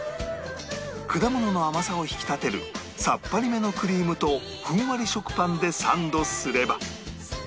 果物の甘さを引き立てるさっぱりめのクリームとふんわり食パンでサンドすれば